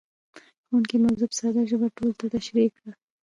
ښوونکی موضوع په ساده ژبه ټولو ته تشريح کړه.